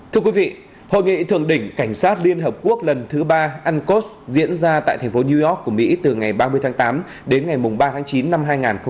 thưa quý vị hội nghị thượng đỉnh cảnh sát liên hợp quốc lần thứ ba uncus diễn ra tại thành phố new york của mỹ từ ngày ba mươi tháng tám đến ngày ba tháng chín năm hai nghìn một mươi chín